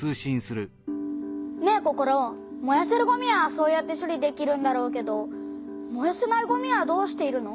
ねえココロ。もやせるごみはそうやって処理できるんだろうけどもやせないごみはどうしているの？